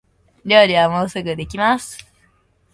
料理はもうすぐできます